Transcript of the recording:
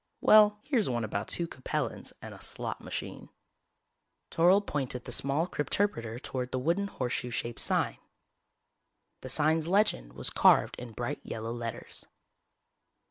Well, here's one about two Capellans and a slot machine...._ Toryl pointed the small crypterpreter toward the wooden, horseshoe shaped sign. The sign's legend was carved in bright yellow letters.